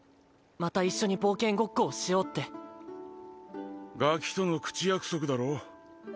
また一緒に冒険ごっこをしようってガキとの口約束だろ？